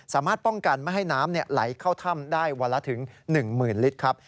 สามารถป้องกันไม่ให้น้ำไหลเข้าถ้ำได้วันละถึง๑๐๐๐ลิตรครับ